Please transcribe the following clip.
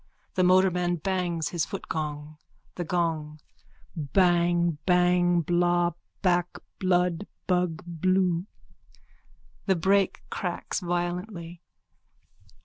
The motorman bangs his footgong.)_ THE GONG: Bang Bang Bla Bak Blud Bugg Bloo. _(The brake cracks violently.